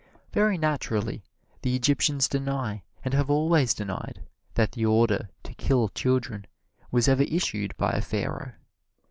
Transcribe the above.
Very naturally, the Egyptians deny and have always denied that the order to kill children was ever issued by a Pharaoh.